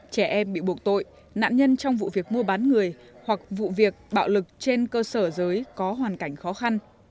trẻ em bị buộc tội nạn nhân trong vụ việc mua bán người hoặc vụ việc bạo lực trên cơ sở giới có hoàn cảnh khó khăn